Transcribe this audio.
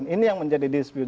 ini yang menjadi dispute